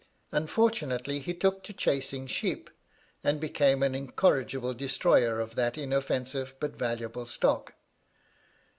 Unfortunately he took to chasing sheep, and became an incorrigible destroyer of that inoffensive but valuable stock.